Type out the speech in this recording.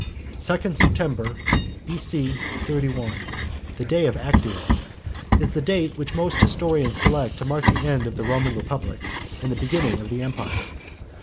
2 September, B.C. 31 the day of Actium is the date which most historians select to mark the end of the Roman Republic and the beginning of the Empire.